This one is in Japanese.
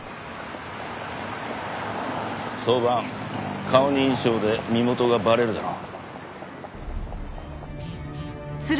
早晩顔認証で身元がバレるだろう。